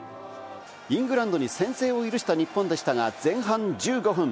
イングランドに先制を許した日本でしたが、前半１５分。